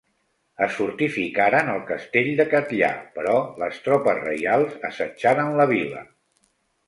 Es fortificaren al castell de Catllar però les tropes reials assetjaren la vila.